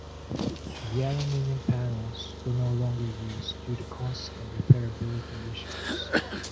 The aluminium panels were no longer used, due to cost and repair-ability issues.